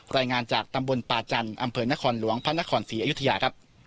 รายงานจากตำบลป่าจันทร์อำเภอนครหลวงพระนครศรีอยุธยาครับ